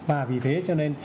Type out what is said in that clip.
và vì thế cho nên